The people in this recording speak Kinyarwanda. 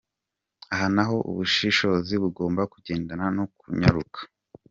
Aha naho ubushishozi bugomba kugendana no kunyaruka